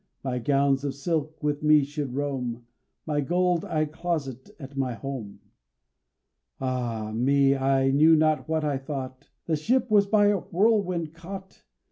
My gowns of silk with me should roam, My gold I'd closet at my home. Ah, me! I knew not what I thought. The ship was by a whirlwind caught.